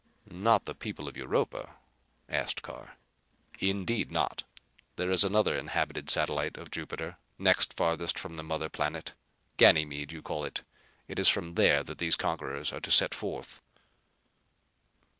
"Not the people of Europa?" asked Carr. "Indeed not. There is another inhabited satellite of Jupiter, next farthest from the mother planet. Ganymede, you call it. It is from there that these conquerors are to set forth."